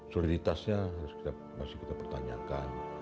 soliditasnya masih kita pertanyakan